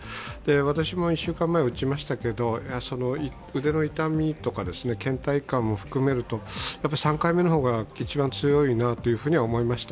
私も１週間前に打ちましたけど、腕の痛みとかけん怠感も含めると３回目の方が一番強いなというふうには思いました。